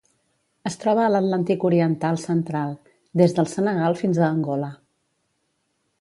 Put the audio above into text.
Es troba a l'Atlàntic oriental central: des del Senegal fins a Angola.